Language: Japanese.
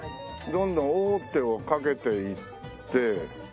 どんどん王手をかけていって。